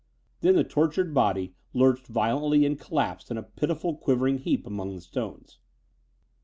Then the tortured body lurched violently and collapsed in a pitiful quivering heap among the stones.